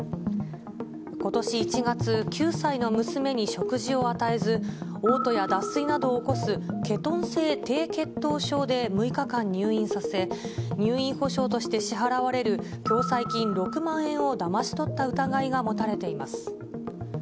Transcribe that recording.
ことし１月、９歳の娘に食事を与えず、おう吐や脱水などを起こすケトン性低血糖症で６日間入院させ、入院保障として支払われる共済金６万円をだまし取った疑いが持たれています。